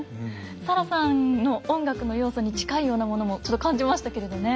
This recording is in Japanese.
サラさんの音楽の要素に近いようなものもちょっと感じましたけれどね。